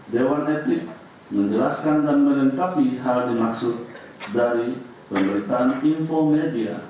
dewan etik menjelaskan dan melengkapi hal dimaksud dari pemberitaan info media